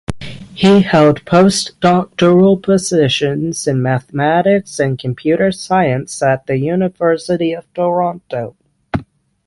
He held postdoctoral positions in mathematics and computer science at the University of Toronto.